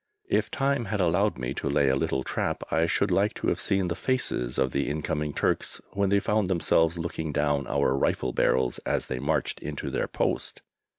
If time had allowed me to lay a little trap, I should like to have seen the faces of the incoming Turks when they found themselves looking down our rifle barrels as they marched into their post.